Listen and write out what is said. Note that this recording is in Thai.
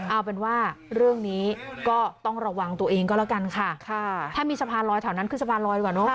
เอาเป็นว่าเรื่องนี้ก็ต้องระวังตัวเองก็แล้วกันค่ะถ้ามีสะพานลอยแถวนั้นคือสะพานลอยกว่าเนอะ